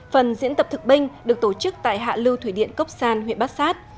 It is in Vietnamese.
phần diễn tập thực binh được tổ chức tại hạ lưu thủy điện cốc san huyện bát sát